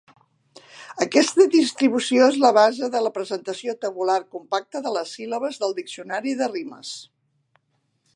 Aquesta distribució és la base de la presentació tabular compacta de les síl·labes del diccionari de rimes.